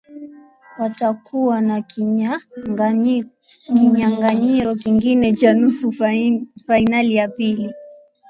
watakua na kinyanganyiro kingine cha nusu fainali ya pili